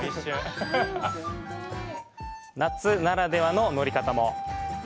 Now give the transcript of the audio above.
夏ならではの乗り方も。